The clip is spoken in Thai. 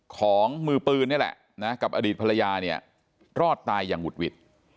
ของมือปืนนี่แหละนะกับอดีตภรรยาเนี่ยรอดตายอย่างหุดหวิด